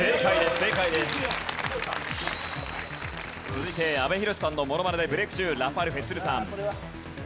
続いて阿部寛さんのモノマネでブレーク中ラパルフェ都留さん。